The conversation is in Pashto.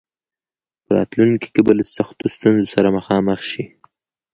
په راتلونکي کې به له سختو ستونزو سره مخامخ شي.